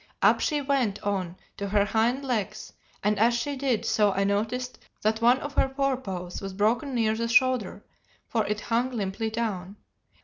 Up she went on to her hind legs, and as she did so I noticed that one of her fore paws was broken near the shoulder, for it hung limply down.